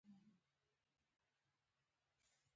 افغانستان د تالابونو په اړه ډېرې علمي څېړنې لري.